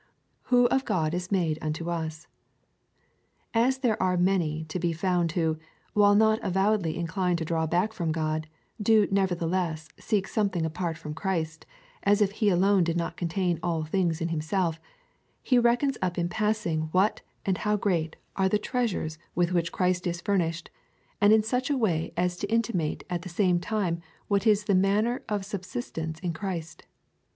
Who of God is made unto us. As there are many to be found who, while not avowedly inclined to draw back from God, do nevertheless seek something apart from Christ, as if he alone did not contain all things^ in himself, he reckons uj) in passing what and how great are the treasures with '" Toute plenitude ;"—" All fulness." (Col. i. 19.) CHAP. I. SO. FIRST EPISTLE TO THE CORINTHIANS. 93 which Christ is furnished, and in such a way as to intimate at the same time what is the manner of subsistence in Christ.